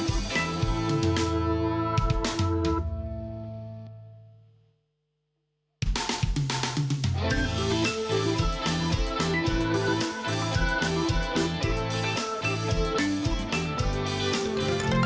สวัสดีครับ